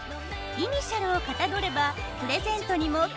イニシャルをかたどればプレゼントにもぴったりです。